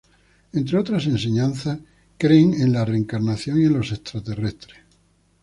Entre otras enseñanzas, creen en la reencarnación y en los extraterrestres.